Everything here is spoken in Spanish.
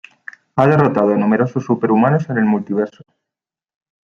Ha derrotado a numerosos superhumanos en el Multiverso.